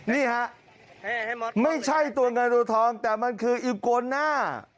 นี่ฮะไม่ใช่ตัวเงินตัวทองแต่มันคืออิโกน่า